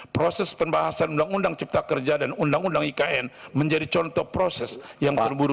proses pembahasan undang undang cipta kerja dan undang undang ikn menjadi contoh proses yang terburuk